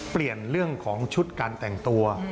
เปลี่ยนเรื่องของชุดการแต่งตัว